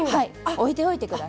置いておいてください。